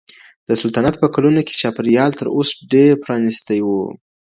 د سلطنت په کلونو کي چاپېریال تر اوس ډېر پرانیستی و.